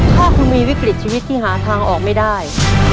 ถ้าคุณมีวิกฤตชีวิตที่หาทางออกไม่ได้